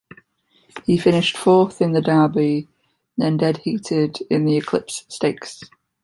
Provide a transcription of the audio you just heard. He finished fourth in the Derby and then dead-heated in the Eclipse Stakes.